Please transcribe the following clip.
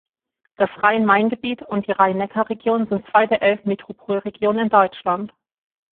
Das Rhein-Main-Gebiet und die Rhein-Neckar-Region sind zwei der elf Metropolregionen in Deutschland.